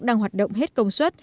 đang hoạt động hết công suất